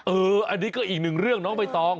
อันนี้ก็อีกหนึ่งเรื่องน้องใบตอง